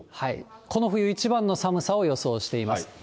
この冬一番の寒さを予想しています。